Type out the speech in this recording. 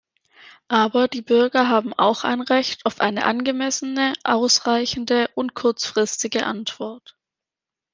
Aber die Bürger haben auch ein Recht auf eine angemessene, ausreichende und kurzfristige Antwort.